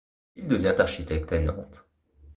Il devient architecte à Nantes.